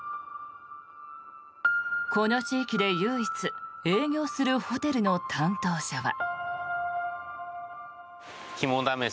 この地域で唯一営業するホテルの担当者は。